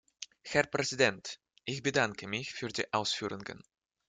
Herr Präsident! Ich bedanke mich für die Ausführungen.